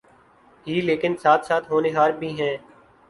ہی لیکن ساتھ ساتھ ہونہار بھی ہیں۔